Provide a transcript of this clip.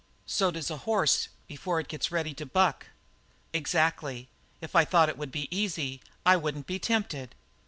"So does a horse before it gets ready to buck." "Exactly. If I thought it would be easy I wouldn't be tempted."